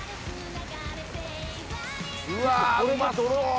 うわ、うまそう。